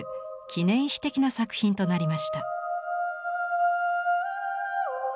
記念碑的な作品となりました。